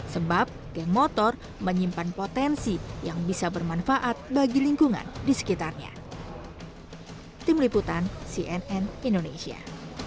sebab geng motor menyimpan potensi yang bisa bermanfaat bagi lingkungan di sekitarnya